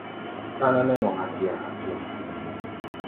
Táná nɛ́ nɔ hakia-hakia.